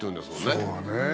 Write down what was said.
そうだね。